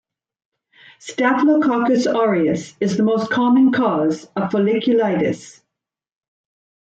"Staphylococcus aureus" is the most common cause of folliculitis.